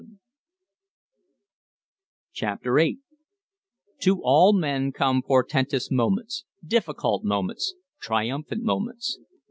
VIII To all men come portentous moments, difficult moments, triumphant moments.